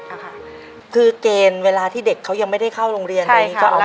ในแคมเปญพิเศษเกมต่อชีวิตโรงเรียนของหนู